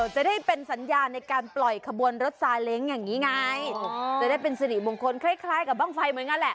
จะได้เป็นสัญญาในการปล่อยขบวนรถซาเล้งอย่างนี้ไงจะได้เป็นสิริมงคลคล้ายกับบ้างไฟเหมือนกันแหละ